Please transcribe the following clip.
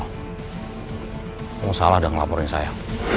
kamu salah dan laporin saya